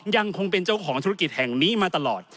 ยังคงเป็นเจ้าของธุรกิจแห่งนี้มาตลอด